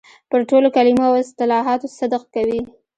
پر ټولو کلمو او اصطلاحاتو صدق کوي.